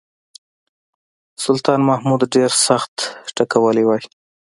سلطان محمود ډېر سخت ټکولی وای.